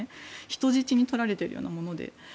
人質に取られているようなもので。